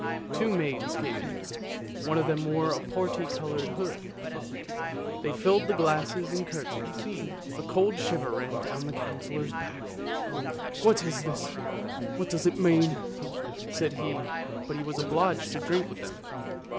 " Two maids came in, one of them wore a parti coloured hood. 1 They filled the glasses and curtsied: a cold shiver ran down the Councillor's back. " What is this? What does it mean? " said he, but he was obliged to drink with them.